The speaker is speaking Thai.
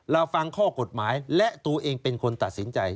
เราฟังข้อกฎหมายและตัวเองเป็นคนตัดสินใจ